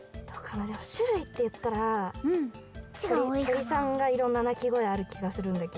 でもしゅるいっていったらとりさんがいろんななきごえあるきがするんだけど。